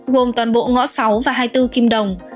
gồm toàn bộ ngõ sáu và hai mươi bốn kim đồng